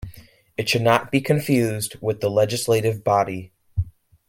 It should not be confused with the Legislative body.